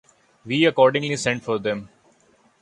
We accordingly sent for them.